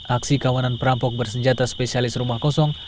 aksi kawanan perampok bersenjata spesialis rumah kosong